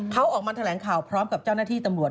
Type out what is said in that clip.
เขาออกมาแถลงข่าวพร้อมกับเจ้าหน้าที่ตำรวจ